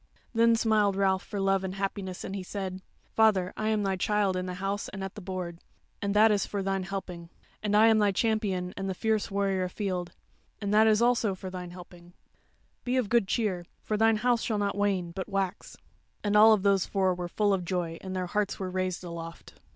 Then smiled Ralph for love and happiness, and he said: "Father, I am thy child in the house and at the board, and that is for thine helping. And I am thy champion and the fierce warrior afield, and that also is for thine helping. Be of good cheer; for thine house shall not wane, but wax." And all those four were full of joy and their hearts were raised aloft.